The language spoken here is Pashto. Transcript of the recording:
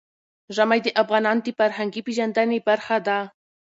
ژمی د افغانانو د فرهنګي پیژندنې برخه ده.